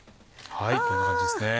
こんな感じですね。